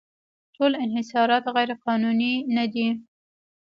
ټول انحصارات غیرقانوني نه دي.